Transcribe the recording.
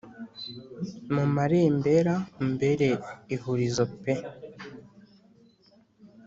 Mumarembera umbera ihurizo pee